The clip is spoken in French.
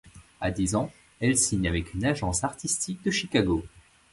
À dix ans, elle signe avec une agence artistique de Chicago.